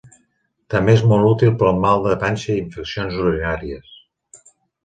També és molt útil pel mal de panxa i infeccions urinàries.